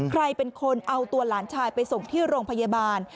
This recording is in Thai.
ใครเป็นคนเอาตัวหลานชายไปส่งที่โรงพยาบาล